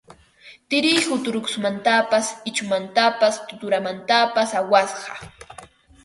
Tirihu turuqsumantapas ichumantapas tuturamantapas awasqa